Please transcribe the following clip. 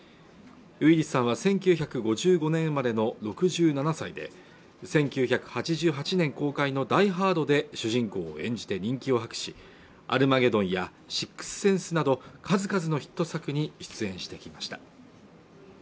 ウィリスさんは１９５５年生まれの６７歳で１９８８年公開の「ダイ・ハード」で主人公を演じて人気を博し「アルマゲドン」や「シックス・センス」など数々のヒット作に出演してきました